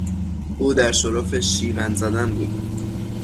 او در شرف شیون زدن بود.